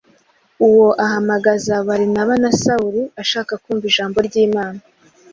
Uwo ahamagaza Barinaba na Sawuli, ashaka kumva ijambo ry’Imana.